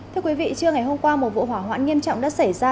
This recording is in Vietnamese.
thưa quý vị chưa ngày hôm qua một vụ hỏa hoãn nghiêm trọng đã xảy ra